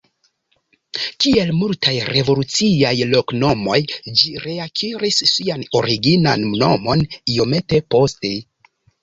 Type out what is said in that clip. Kiel multaj revoluciaj loknomoj, ĝi reakiris sian originan nomon iomete poste.